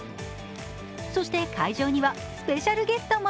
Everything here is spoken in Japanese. そして、会場にはスペシャルゲストも。